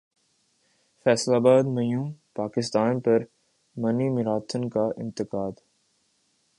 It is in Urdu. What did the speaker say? فیصل ابادمیںیوم پاکستان پر منی میراتھن کا انعقاد